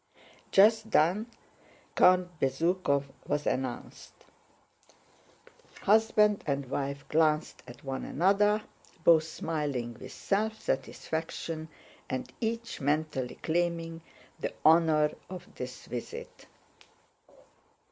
Just then Count Bezúkhov was announced. Husband and wife glanced at one another, both smiling with self satisfaction, and each mentally claiming the honor of this visit.